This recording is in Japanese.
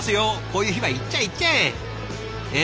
こういう日はいっちゃえいっちゃえ！